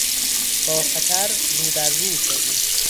با خطر رودررو شدیم.